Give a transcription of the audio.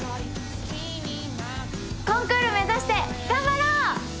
コンクール目指して頑張ろう！